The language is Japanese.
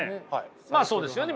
まあそうですよね